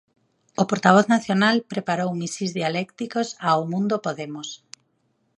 O portavoz nacional preparou misís dialécticos ao mundo Podemos.